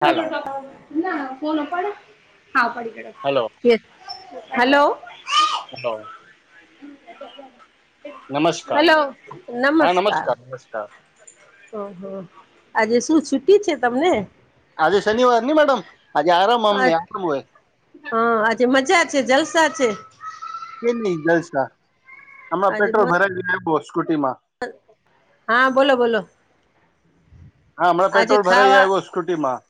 અવાજ હાલો નથી સરખો ના બોલો ફોન ઉપાડો હા. ઉપાડી હલો કાઢો હલો, હલો, નમસ્કાર, હલો હા નમસ્કાર, નમસ્કાર ઓહ આજે શું છુટી છે. તમને અને આજે શનિવાર નહી મેડમ આજે આરામ આમને હા આરામ હોય. આજે મજા છે. જલસા છે. કેમ નહી. જલસા હમણાં આજે પેટ્રોલ ભરાવી લીધુ બોસ હા બોલો બોલો હા હમણાં આજે પેટ્રોલ ભરાઈ આવ્યો સ્કુટી માં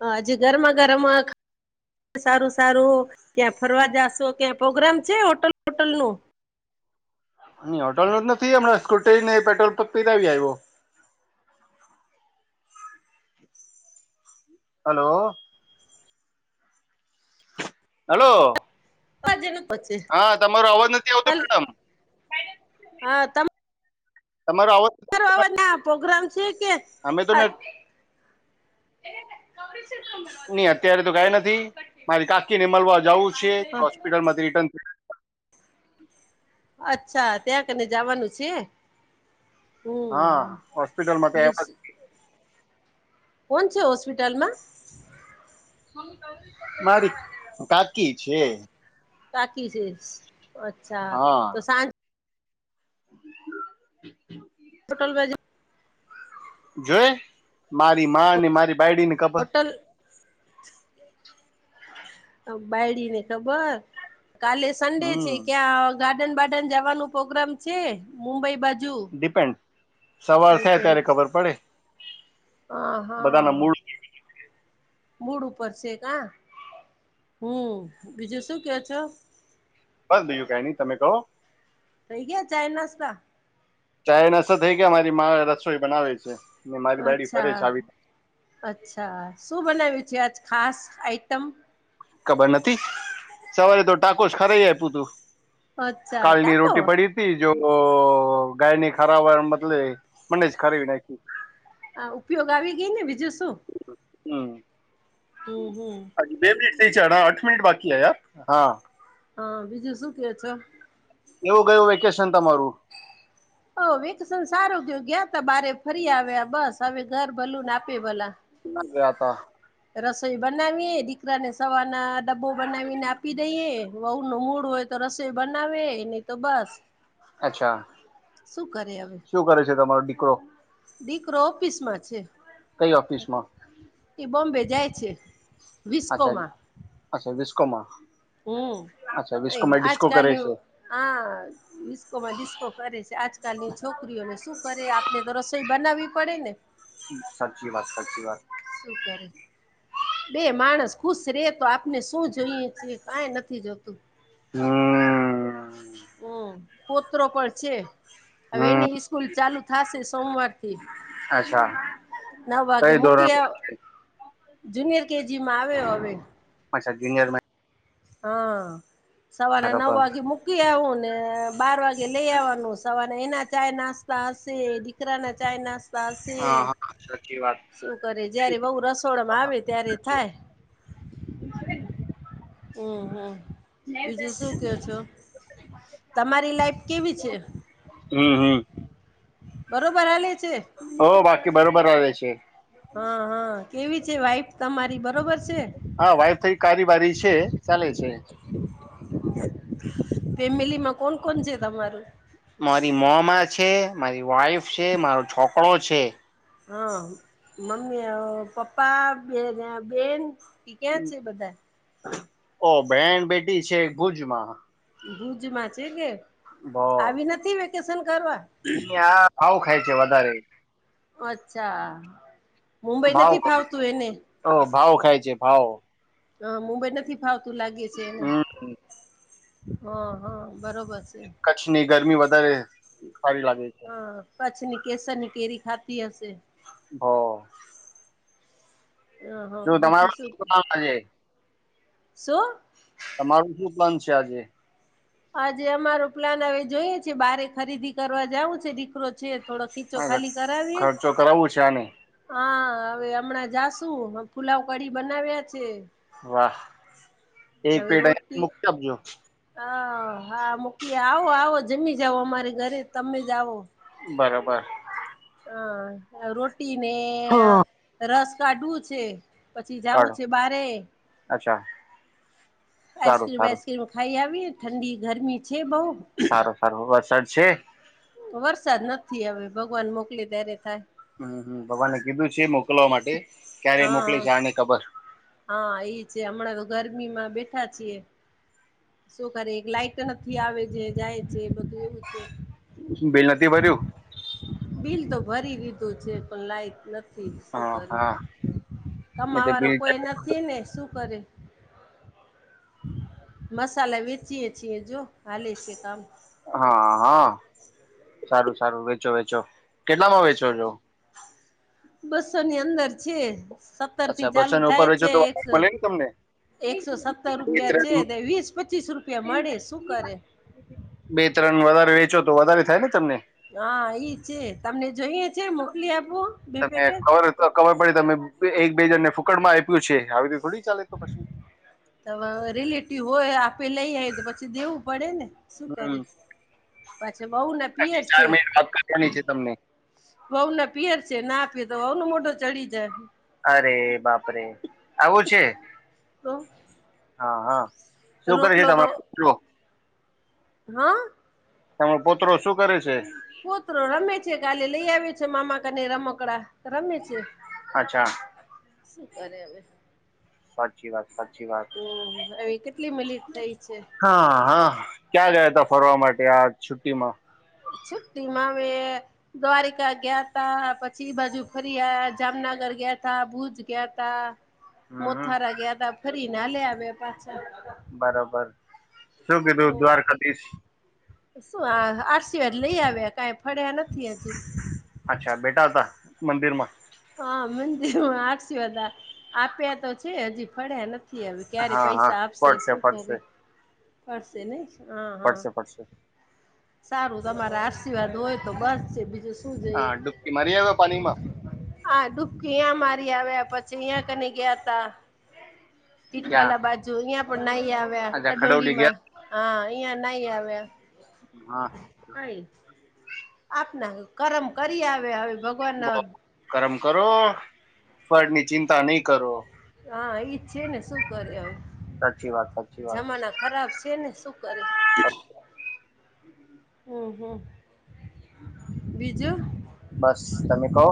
હ હજી ગરમા ગરમ સારું સારું ક્યાં ફરવા જાશો ક્યાં પ્રોગ્રામ છે હોટલ વોટલ નું ની હોટલ નુ નથી હમણાં સ્કૂટરી ને પેટ્રોલ પીતા આવ્યા એવો હાલો હાલો [unintelligible] હા તમારો અવાજ નથી આવતો હલ મેડમ હા તમારો અવાજ [inaudible] પ્રોગ્રામ છે કે અમે તો અ ને એ [unintelligible] નઈ અત્યારે તો કઈ નથી મારી કાકી ને મલવા જાવું છે હોસ્પિટલ માંથી રિટર્ન થ અચ્છા ત્યાં કને જવાનું છે હા હમ હોસ્પિટલમાં તો બીજું આવ કોણ છે હોસ્પિટલમાં મારી કાકી છે કકી શેષ અચ્છા હા તો સાંજ [inaudible] હોટલ બાજુ જોએ મારી માને અને મારી બાયડી ની કપ હોટલ બાયડી ને ખબર કાલે સન્ડે છે હમ ક્યાં ગાર્ડન બાર્ડન જવાનું પ્રોગ્રામ છે મુંબઈ બાજુ ડિપેન્ડ સવાર થાય ડિપેન્ડ ત્યારે ખબર પડે હ બધાના હા મૂળ મૂળ ઉપર છે કા હમ બીજું શું કેવ છો બસ બીજું કઈ નહી તમે કહો થય ગીયા ચાઈનાસતા ચાયનાસતા થઈ ગયા મારી મા ર અચ્છા આવી અચ્છા શું બનાવ્યું છે આજ ખાસ આઇટમ ખબર નથી સવારે તો ટાકો જ ખરાઈ આપ્યું તું અચ્છા કાલની ટાકો રોટી પડી હતી જો તો ગાયની [unintelligible] બદલે મને જ [unintelligible] નાખી આ ઉપયોગ આવી ગઈ ને બીજું શું સુ અજી બે મિનિટ. તે સાઢા આઠ મિનિટ બાકી હે યાર. હા બીજું શું કેવ છો. કેવું ગયું વેકેશન તમારું. ઓ વેકેશન સારું ગ્યું ગ્યાતા બારે, ફરી આવ્યા, બસ હવે ઘર ભલુન આપે ભલા. કા ગ્યાતા. રસોઈ બનાવીએ દીકરાને સવાર... ના ડબો બનાવીને આપી દઈએ. વહુ નો મૂળ હોય તો રસોઈ બનાવે ને... અચ્છા શું કરે હવે. શું કરે છે તમારો દી કરો.. દીકરો ઓફિસ માં છે. કઈ ઓફિસમાં એ બોમ્બે... જાય છે. અચ્છા વિસ્કોમાં અચ્છા વિસ કમાં... હમ અ કરે આજકાલની છે આ ડીસ્કોમાં ડીસ્કો કરે છે, આજકાલની છોકરીઓને શું કરે આપણે તો રસ બનાવવી પડે ને... સાચી વાત સાચી વાત. શું કરે, બે માણસ ખુશ રે તો આપને શું જોઈએ છે, કાંઈ નથી જોતું. હમ. હમ. પુત્રો પર છે. હવે હમ એનીબી સ્કૂલ ચાલુ... થાશે સોમવાર... થી અચ્છા નવ વાગે કઈ ધોરણ મૂકી આવ. માં છે જુનિયર કેજી માં આવ્યો હવે. અચ્છા જુનીયર માં... હા. સવારે નવ હા વાગે મૂકી આવું ને બાર વાગે લઈ આવવાનું સવારે... એના ચાય નાસ્તા હશે, દીકરા ના ચાય નાસ તા હશે, હા સાચી વાત શું કરે જયારે વહુ રસોડામાં આવે ત્યારે થાય. હમ હમ બીજું શું કે છો, તમારી લાઈફ કેવી છે. હમ બરોબર હાલે છે હવ બાય કી બરોબર આવે છે. હા હા કેવી છે, વાઈફ તમારી બરોબર છે. હા વાઈફ થઈ કારીવારી છે ચાલે છે. ફેમિલીમાં કોણ કોણ છે તમારું મારી મોમાં છે મારી વાઈફ છે મારો છોકરો છે હા મમ્મીઓ પપ્પા બેને બેન તે ક્યાં છે બધા ઓ બેહેન બેટી છે ભુજમાં ભુજમાં છે કે આવી નથી વે કેશન મમ્મી આ ભાવ ખાય છે વધારે અચ્છા મુંબઈ ભાવ નથી ફાવતું એને ઓ ભાવ ખાય છે ભાવ હ મુંબઈ નથી ફાવ તુ લાગે છે એને હમ હ હ બરોબર છે એ કચ્છની ગરમી વધારે [inaudible] સારી લાગે છે. હા કચ્છની કેસની કેરી ખાધી હશે હ હ હા શું બીજું તમારો શું નુ આજે શું તમારું શું પ્લાન છે આજે આજે અમારો પ્લાન હવે જોઈએ છે બારે ખરીદી કરવા જવું છે દીકરો છે. થોડો ખીચો હા ખાલી કરાવીએ ખર્ચો કરાવવું છે આને હા હવે હમણાં જાશુ પુલાવ કડી બનાવ્યા છે. વાહ એક પેટ અયા મૂકી આપજો હ હા મોકલી આવો આવો જમી જાઓ અમારે ઘરે તમે જ આવો બરોબર અને રોટ ટીને અ રસ કાઢું છે પછી જાવું કાઢો છે બારે અચ્છા સારું આઈસ્ક્રીમ સારું વાઈસક્રીમ ખાઈ આવીને ઠંડી ગરમી છે બઉ સારું સારું વરસાડ છે વરસાદ નથી હવે ભગવાન મોકલી ત્યારે થાય હમ હમ ભગવાને કીધું છે મોં મોકલવા માટે ક્યારે મોકલે છે હા જાને ખબર હા એ છે હમણાં તો ગરમીમાં બેઠા છીએ શું કરે એક લાઈટ નથી આવે છે જાય છે બધું એવું છે. બિલ નથી ભર્યું. બિલ તો ભરી દીધું છે પણ લાઈટ નથી થી શું હા કરું હા નહી કમા તો વારુ બિલ કોઈ નથી ને શું બરે મસાલા વેચીએ છીએ જો હાલે છે કામ હા હા સારું સારું વેચો વેચો કેટલામાં વેચો છો. બસોની અંદર છે. અચ્છા સત્તરથી બસો ચાલુ ને ઉપર થાય વેચો છે તો એક મળે ને તમને એકસો સત્તર બે રૂપિયા છે ત્રણ વીસ પચીસ રૂપિયા મળે શું કરે બે ત્રણ વધારે વેચો તો વધારે થાય ને તમને હા ઈ છે તમને જોઈએ છે મોકલી આપું બે પેકેટ તોયે તમે એક બેજણને ફૂકટમાં આપ્યું છે આવી રીતે થોડી ચાલે તો પછી ત રિલેટિવ હોય આ પેલા લઈ આવીઈ તો પછી દેવું પડે ને શું કરે હમ પાછી વઉના પિયર હજી ચાર છે મિનિટ વાત કરવાની છે તમને વઉના પિયર છે ના આપી તો વઉનું મોઢો ચડી જાય અરે બાપરેે આવું છે. તો હા હા શું કરે છે રોટલો તો તમારો પકયો હા તમારો પોત્રો શું કરે છે. પુત્ર રમે છે કાલે લઈ આવ્યો છે મામા કરને રમકડા રમે છે. અચ્છા અરેરે સાચી વાત સાચી વાત હવે કેટલી મિનિટ થઈ છે હા હા ક્યાં ગયા તા ફરવા માટે આ છુટ્ટીમાં છુટ્ટીમાં અમે દ્વારિકા ગ્યાતા પછી એ બાજુ ફર્યા જામનગર ગ્યાતા ભુજ ગ્યાતા હમ મોથારા ગ્યાતા ફરી ને હાલે આવે પાછા બરોબર શું કીધું દ્વારકાધીશ શું આહ આરસિવાદ લઈ આવ્યા કા, પડ્યા નથી, અજી તાતા મંદિર માં હા, મંદિર માં આસીવાદા આપ્યા તો છે અજી ફળ્યા નથી. થી આવે ક્યારે હા હા પૈસા આપશે? ફટશે શું કરે ફટશે ફરશે નઈ? હા હા ફટશે ફટશે સારું તમારા આશીર્વાદ હોય, તો બસ છે બીજું શું હા, ડૂબકી મારી આયવા પાનીમાં? હા ડૂબકી ઈયા મારી આવ્યા પછી ઈયા કને ગ્યાતા. ક્યાં તીટવાલા બાજુ ન્યા નાઈ આવ્યા, અચ્છા ખડવલી ગયા કડોલીમાં હા! ન્યા નાઈ આવ્યા. હા આપના કરમ કરી આવે હવે ભગવાન બો કરમ કરો, ફળની ચિંતા નઈ કરો. હા ઈ જ છે ને શું કરે અવે? સાચી વાત સાચી વાત જમાના ખરાબ છે ને શું કરે? હમ હમ બીજું? બસ તમે કહો!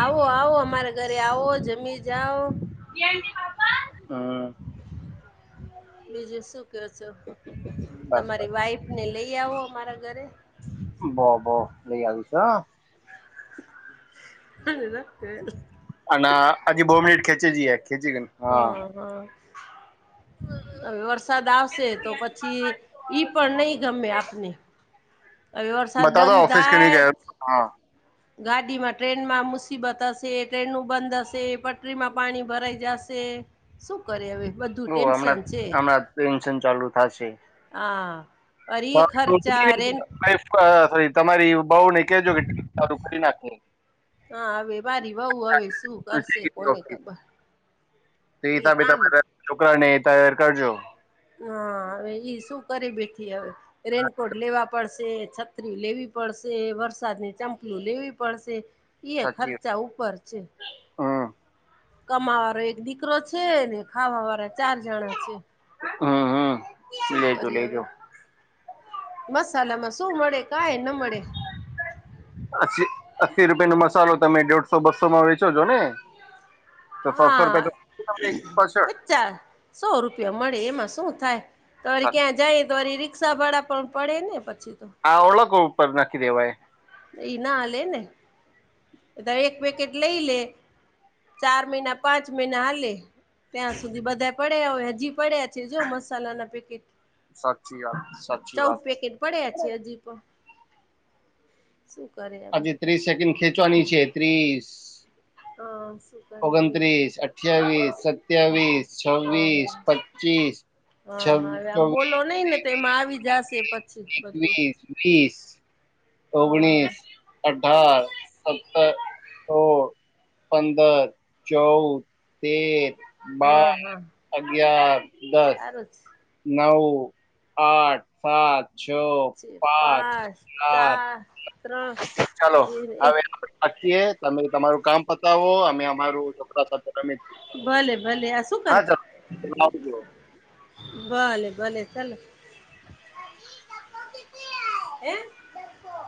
આવો આવો અમારા ઘરે આવો જમી જાઓ. [unintelligible] બીજું શું. યો છો. બસ તમારી વાઈફ ને લઈ, કે આવો અમારા ઘરે. ભો-ભો લઈ આવીશ હ. [inaudible] અને હજી બો મિનિટ ખેંચી જઈએ, ખેચી લેંવી હાં, હા હા હવે વર્ષ વરસાદ આવશે તો પછી ઈ પણ નહી ગમે આપને, હવે વરસાદ બતા દો બંધ ઓફિસ કેમ ની થાય ગયા હોત હા, ગાડીમાં ટ્રેનમાં મુસીબત હશે ટ્રેનનું બંધ હશે પટરીમાં પાણી ભરાઈ જશે શું કરે હવે, બધું ઓ હમણાં ટેન્શન છે હમણાં ટેન્શન ચાલુ થશે, હા અરે એ ખર્ચા રેન અ થઈ તમારી ઉપ બઉ ને કેજો સારું કરી નાખે હા અવે મારી બહુ હવે શું તો કરશે કોને ખબર એ હિસાબે કામ તમારા છોકરાને તૈયાર કરજો હા હવે ઈ શું કરી બેઠી હવે રેનકોટ લેવા પડશે શે છત્રી લેવી પડશે વરસાદની ચંપલી લેવી પડશે ઈ એ સાચી ખર્ચા ઉપર છે. હમ કમાવારો એક દીકરો છે ને ખાવા વાળા ચાર જણા છે. હમ હમ શું લેજો કરીએ હવે લેજો મસાલામાં શું મળે કાય ન મળે અસ્સી રૂપિયા નો મસાલો તમે દોઢસો બસોમાં વેચો છો ને તો સાતસો હા રૂપિયા તો તમને પાછળ પચાસ સો રૂપિયા મળે એમાં શું થાય તોરી ક્યાં જાય તોરી રીક ક્ષા ભાડા પણ પડે ને પછી તો હા ઓળ કુપ પગ નાખી દેવાય ઈ ના હાલે ને તો એક પેકેટ લઈ લે ચાર મહિના પાંચ મહિના હાલે ત્યાં સુધી બધા પડ્યા હો હજી પડ્યા છે જો મસાલાના પેકેટ સાચી વાત સાચી ચૌદ વાત પેકેટ પડ્યા છે હજી પણ શું કરે હવે આજે ત્રીસ સેકન્ડ ખે ચવાની છે ત્રીસ હ ઓગણત્રીસ, અઠ્યાવીસ, સત્યાવીસ, હા છવ્વીસ, પચીસ, છ હા હા હવે આમ ચોવીસ, બોલો નઈ ને તો એમાં ત્રેવીસ આવી જશે પછી [unintelligible] બધું એકવીસ વીસ [inaudible] હ હ ઓગણીસ અ અઢાર સત્તર સો પંદર ચૌદ તેર હા બાર હા ગયાર સારું જ નવ આઠ સાત છ પાંચ સાત ચાર ત્રણ ચાલો બે એક આવે કે તમે તમારું કામ પતાવો અમે અમારો છોકરા સાથે રમે ભલે ભલે શું કર આવજો ભલે ભલે ચાલ [inaudible]